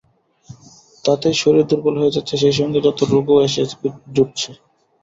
তাতেই শরীর দুর্বল হয়ে যাচ্ছে, সেই সঙ্গে যত রোগও এসে জুটছে।